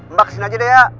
mbak kesini aja deh ya